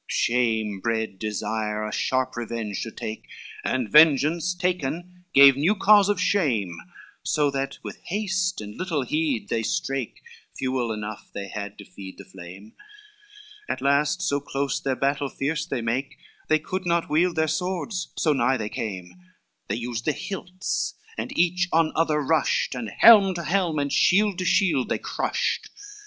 LVI Shame bred desire a sharp revenge to take, And vengeance taken gave new cause of shame: So that with haste and little heed they strake, Fuel enough they had to feed the flame; At last so close their battle fierce they make, They could not wield their swords, so nigh they came, They used the hilts, and each on other rushed, And helm to helm, and shield to shield they crushed.